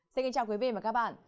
xin kính chào quý vị và các bạn